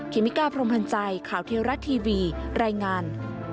เมกาพรมพันธ์ใจข่าวเทวรัฐทีวีรายงาน